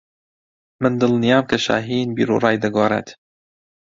من دڵنیام کە شاھین بیروڕای دەگۆڕێت.